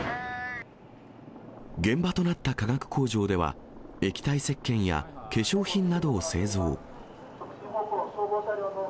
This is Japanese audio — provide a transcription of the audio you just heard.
現場となった化学工場では、液体せっけんや、化粧品などを製造。